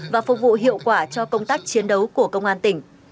và phục vụ hiệu quả cho công tác chiến đấu của công an tỉnh